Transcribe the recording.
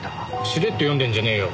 しれっと読んでんじゃねえよ。